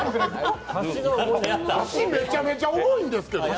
箸、めちゃめちゃ重いんですけど。